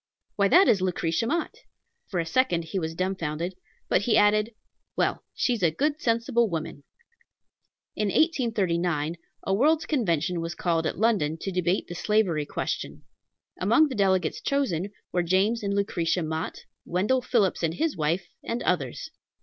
"Why, that is Lucretia Mott!" For a second he was dumbfounded; but he added, "Well, she's a good, sensible woman." In 1839 a World's Convention was called at London to debate the slavery question. Among the delegates chosen were James and Lucretia Mott, Wendell Phillips and his wife, and others.